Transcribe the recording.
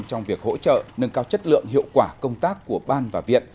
trong việc hỗ trợ nâng cao chất lượng hiệu quả công tác của ban và viện